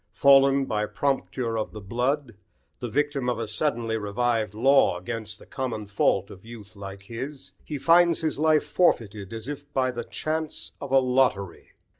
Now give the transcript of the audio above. Fallen by "prompture of the blood," the victim of a suddenly revived law against the common fault of youth like his, he finds his life forfeited as if by the chance of a lottery.